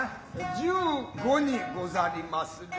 十五にござりまする。